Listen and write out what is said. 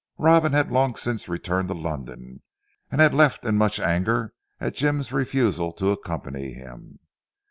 Robin had long since returned to London, and had left in much anger at Jim's refusal to accompany him.